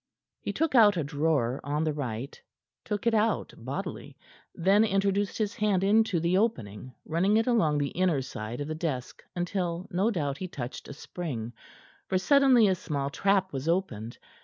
He took out a drawer on the right took it out bodily then introduced his hand into the opening, running it along the inner side of the desk until, no doubt, he touched a spring; for suddenly a small trap was opened.